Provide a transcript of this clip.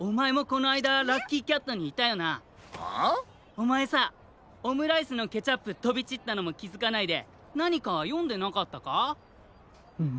おまえさオムライスのケチャップとびちったのもきづかないでなにかよんでなかったか？